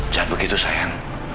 jangan begitu sayang